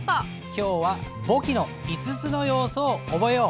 今日は簿記の５つの要素を覚えよう。